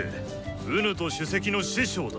己と首席の師匠だ。